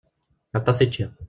Aṭas i ččiɣ.